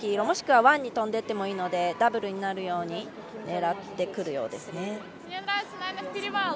もしくはワンに飛んでいってもいいのでダブルになるように狙ってくるようですね。